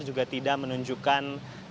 juga tidak menunjukkan